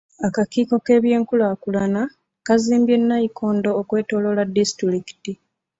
Akakiiko k'eby'enkulaakulana kazimbye nnayikondo okwetooloola disitulikiti .